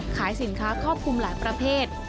ขายสินค้าครอบคลุมหลายประเภท